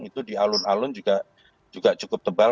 itu di alun alun juga cukup tebal